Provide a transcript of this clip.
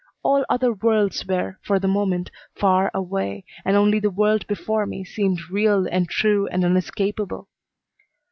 All other worlds were, for the moment, far away, and only the world before me seemed real and true and unescapable.